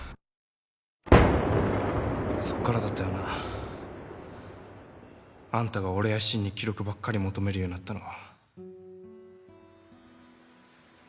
そっからだったよなあんたが俺や森に記録ばっかり求めるようになったのは。